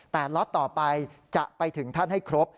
แต่ล็อตต่อไปจะไปถึงท่านให้ครบ